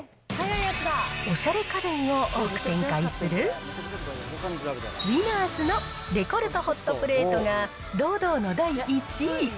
おしゃれ家電を多く展開する、ウィナーズのレコルト・ホットプレートが、堂々の第１位。